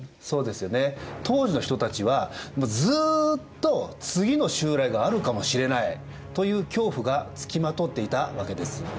当時の人たちはずっと次の襲来があるかもしれないという恐怖がつきまとっていたわけです。